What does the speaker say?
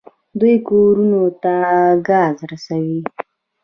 دوی کورونو ته ګاز رسوي.